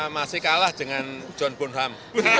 masih kalah dengan john boon ham